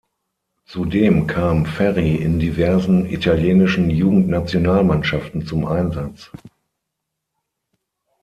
Zudem kam Ferri in diversen italienischen Jugendnationalmannschaften zum Einsatz.